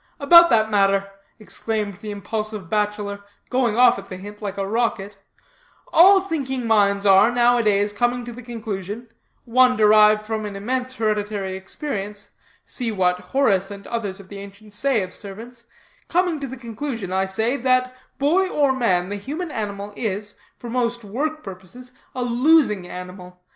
"About that matter," exclaimed the impulsive bachelor, going off at the hint like a rocket, "all thinking minds are, now a days, coming to the conclusion one derived from an immense hereditary experience see what Horace and others of the ancients say of servants coming to the conclusion, I say, that boy or man, the human animal is, for most work purposes, a losing animal.